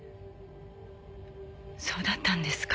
そうだったんですか。